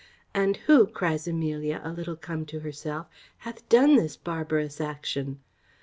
"And who," cries Amelia, a little come to herself, "hath done this barbarous action?"